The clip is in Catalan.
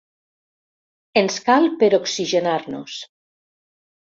Ens cal per oxigenar-nos.